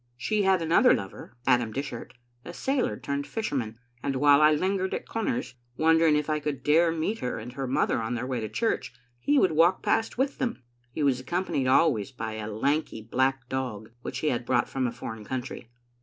She had another lover, Adam Dishart, a sailor turned fisherman; and while I lingered at comers, wondering if I could dare to meet her and her mother on their way to church, he would walk past with them. He was accompanied always by a lanky black dog, which he had brought from a foreign country.